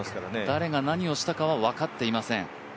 誰が何をしたかは分かっていません。